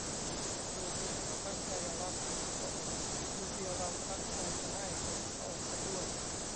ผู้ที่เขาตั้งใจรับก็อด ผู้ที่เราตั้งใจจะให้ก็อดไปด้วย